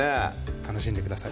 楽しんでください